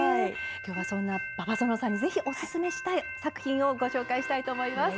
今日はそんな馬場園さんにぜひおすすめしたい作品をご紹介したいと思います。